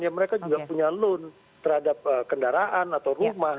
ya mereka juga punya loan terhadap kendaraan atau rumah